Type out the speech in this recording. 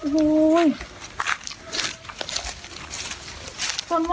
เป็น